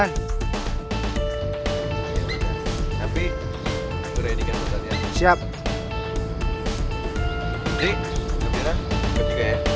kita cabut aja yuk